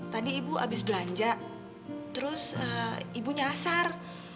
tadi ibu abis belanja terus ibu nyasar